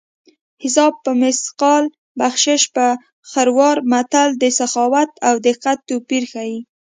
حساب په مثقال بخشش په خروار متل د سخاوت او دقت توپیر ښيي